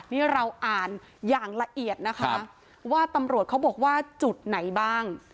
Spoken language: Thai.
นี่เราอ่านอย่างละเอียดนะคะว่าตำรวจเขาบอกว่าจุดไหนบ้าง